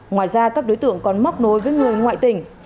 ngoài ra các đối tượng còn móc nối với người ngoại tỉnh